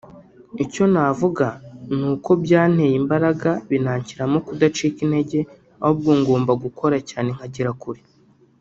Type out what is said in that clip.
Icyo navuga ni uko byanteye imbaraga binanshyiramo kudacika intege ahubwo ngomba gukora cyane nkagera kure